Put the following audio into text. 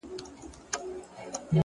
خپل مسیر د حقیقت په رڼا برابر کړئ.